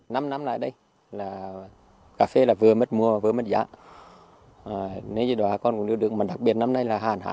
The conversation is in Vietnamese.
năm năm lại đây cà phê vừa mất mua vừa mất giá nếu như đó con cũng được được mà đặc biệt năm nay là hạn hạn